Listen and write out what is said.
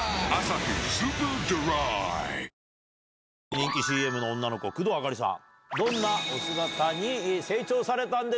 人気ＣＭの女の子工藤あかりさん。